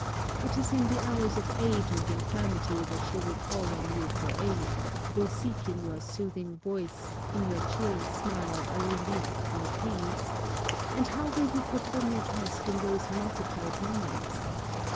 It is in the hours of age and infirmity that she will call on you for aid, will seek in your soothing voice, in your cheering smile a relief from pain: and how will you perform your task in those multiplied moments?